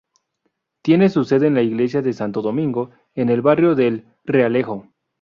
Tiene su sede en la iglesia de Santo Domingo, en el barrio del Realejo.